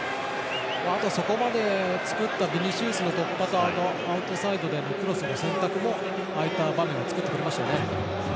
あと、そこまで作ったビニシウスの突破とアウトサイドのクロスの選択もああいった場面で作ってくれましたね。